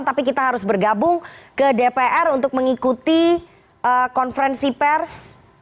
tapi kita harus bergabung ke dpr untuk mengikuti konferensi pers